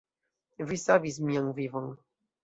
Vi savis mian vivon.